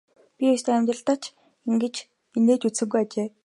Би ёстой амьдралдаа ч ингэж инээж үзсэнгүй гэжээ.